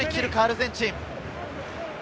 アルゼンチン。